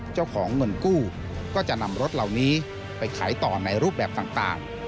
เจ้าของเงินกู้ก็จะนำรถเหล่านี้ไปขายต่อในรูปแบบต่าง